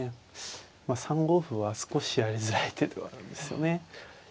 まあ３五歩は少しやりづらい手ではあるんですよね。